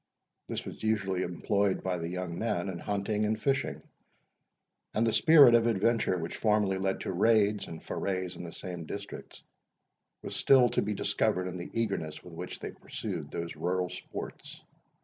This was usually employed by the young men in hunting and fishing; and the spirit of adventure, which formerly led to raids and forays in the same districts, was still to be discovered in the eagerness with which they pursued those rural sports.